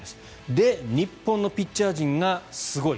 で、日本のピッチャー陣がすごい。